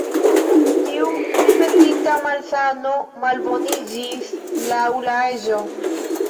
Tiu ripetita malsano malboniĝis laŭ la aĝo.